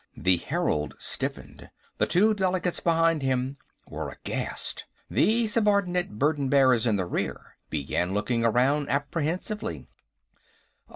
The herald stiffened. The two delegates behind him were aghast. The subordinate burden bearers in the rear began looking around apprehensively.